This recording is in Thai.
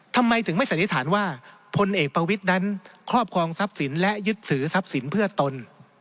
ทำไมถึงไม่สัดทิศาสตร์ว่าพลเอกพลวิทย์นั้นครอบควรซับศีลและยึดถือซับศีลเพื่อตน